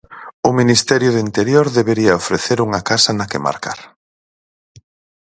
O Ministerio de Interior debería ofrecer unha casa na que marcar.